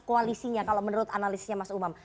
koalisinya kalau menurut analisnya mas umam